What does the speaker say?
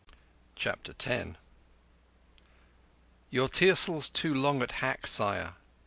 CHAPTER X Your tiercel's too long at hack, Sire.